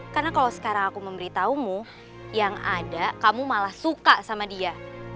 karena kalau sekarang aku memberitahumu yang ada kamu malah suka sama dia